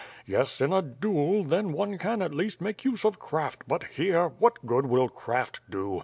Yes, in a duel, then one can at least make use of craft but, here, what good will craft do?